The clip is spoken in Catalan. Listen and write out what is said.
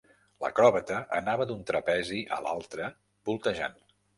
L'acròbata anava d'un trapezi a l'altre voltejant.